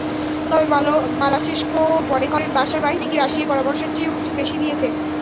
তবে মালাশেঙ্কো মনে করেন, বাশার বাহিনীকে রাশিয়া পরামর্শের চেয়েও বেশি কিছু দিয়েছে।